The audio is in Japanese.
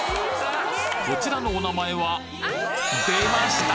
こちらのお名前は出ました！